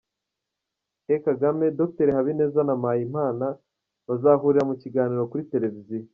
E Kagame, Dr Habineza na Mpayimana bazahurira mu kiganiro kuri televiziyo .